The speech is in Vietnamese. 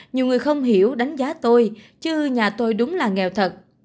nhiều người không hiểu đánh giá tôi chứ nhà tôi đúng là nghèo thật